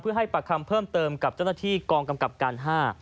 ให้ปากคำเพิ่มเติมกับเจ้าหน้าที่กองกำกับการ๕